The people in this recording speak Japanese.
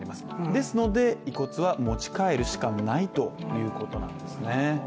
ですので、遺骨は持ち帰るしかないということなんですね。